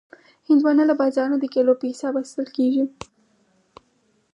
هندوانه له بازار نه د کیلو په حساب اخیستل کېږي.